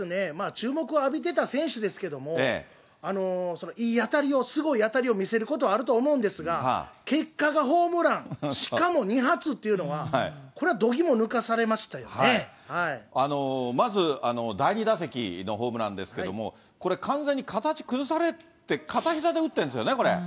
注目を浴びてた選手ですけれども、いい当たりを、すごい当たりを見せること、あると思うんですが、結果がホームラン、しかも２発というのは、まず第２打席のホームランですけれども、これ、完全に形崩されて、片ひざで打ってるんですよね、これ。